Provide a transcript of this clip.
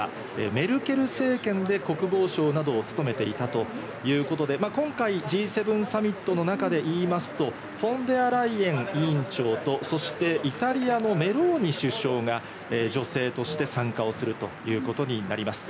メルケル政権で国防相などを務めていたということで、今回Ｇ７サミットの中で言いますと、フォン・デア・ライエン委員長と、そしてイタリアのメローニ首相が女性として参加をするということになります。